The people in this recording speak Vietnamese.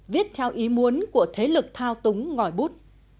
viết theo ý muốn của thế lực thao túng ngòi bút